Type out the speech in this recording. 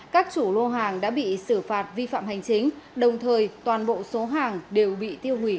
các chủ lô hàng đã bị xử phạt vi phạm hành chính đồng thời toàn bộ số hàng đều bị tiêu hủy